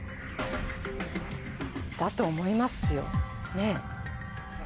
だと思いますよねぇ。